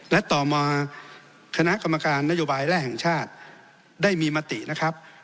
และต่อมาคณะกรรมการนโยบายแร่แห่งชาติได้มีมตินะครับ